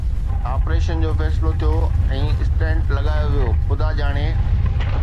operation جو فيصلو ٿيو ۽ اسٽينٽ لڳايو ويو، خدا ڄاڻي